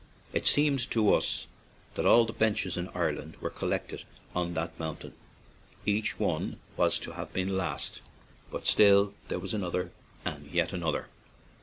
It seemed to us that all the benches in 85 ON AN IRISH JAUNTING CAR Ireland were collected on that mountain; each one was to have been the last, but still there was another and yet another.